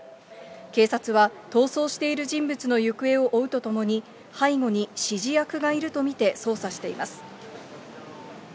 警察は逃走している人物の行方を追うとともに、背後に指示役がいると見て、捜査しています。